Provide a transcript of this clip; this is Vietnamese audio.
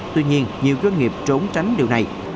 tuy nhiên nhiều doanh nghiệp trốn tránh điều này